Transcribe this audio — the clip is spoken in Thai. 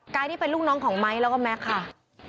กัยที่เป็นลูกน้องของไมค์แล้วก็แมคค่ะ